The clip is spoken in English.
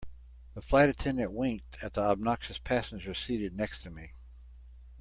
The flight attendant winked at the obnoxious passenger seated next to me.